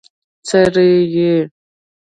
څرې يې؟